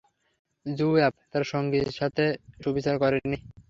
জুওয়াব তার সঙ্গীর সাথে সুবিচার করেনি।